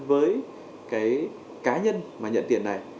với cái cá nhân mà nhận tiền này